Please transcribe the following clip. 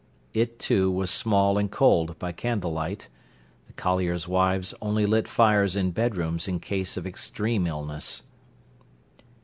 It, too, was small and cold by candlelight. The colliers' wives only lit fires in bedrooms in case of extreme illness.